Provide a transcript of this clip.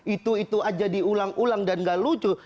itu itu aja diulang ulang dan gak lucu